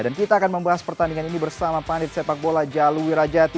dan kita akan membahas pertandingan ini bersama pak ketua pertanian